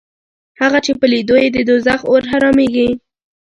هغه چې په لیدو یې د دوزخ اور حرامېږي